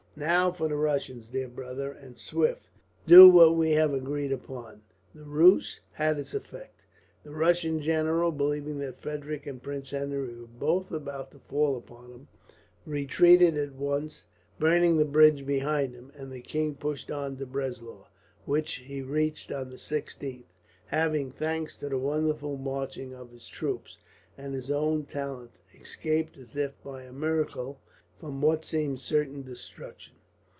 Now for the Russians, dear brother, and swift. Do what we have agreed upon." The ruse had its effect. The Russian general, believing that Frederick and Prince Henry were both about to fall upon him, retreated at once, burning the bridge behind him; and the king pushed on to Breslau, which he reached on the 16th; having, thanks to the wonderful marching of his troops, and his own talent, escaped as if by a miracle from what seemed certain destruction.